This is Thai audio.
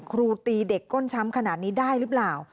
ครูตีเด็กก้นช้ำขนาดนี้ได้หรือเปล่า